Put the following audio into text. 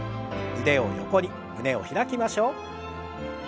腕を横に胸を開きましょう。